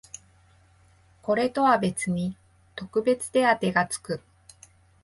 これとは別に特別手当てがつく